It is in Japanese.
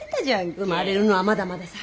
生まれるのはまだまだ先。